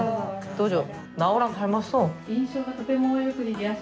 どうぞ。